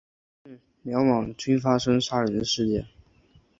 然而连续两晚均发生杀人事件。